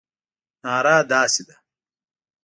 ناره داسې ده.